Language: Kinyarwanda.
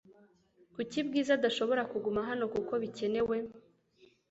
Kuki Bwiza adashobora kuguma hano kuko bikenewe